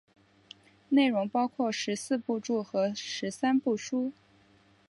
内容包括十四部注和十三部疏。